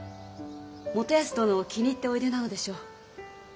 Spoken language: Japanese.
元康殿を気に入っておいでなのでしょう。